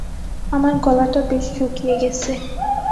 আমার গলাটা বেশ শুকিয়ে গেছে!